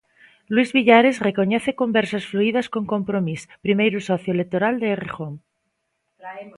Luís Villares recoñece conversas fluídas con Compromís, primeiro socio electoral de Errejón.